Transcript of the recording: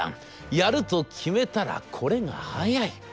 やると決めたらこれが早い。